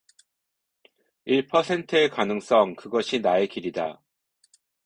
일 퍼센트의 가능성, 그것이 나의 길이다.